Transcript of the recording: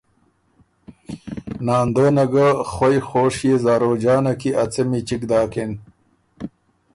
ناندونه ګۀ خوئ خوشيې زاروجانه کی ا څمی چِګ داکِن